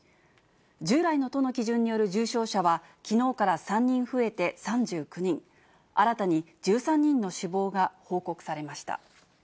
従来の都の基準による重症者は、きのうから３人増えて３９人、新たに１３人の死亡が報告されました。